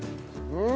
うん。